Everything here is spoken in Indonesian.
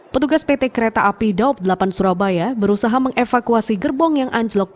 petugas pt kereta api daob delapan surabaya berusaha mengevakuasi gerbong yang anjlok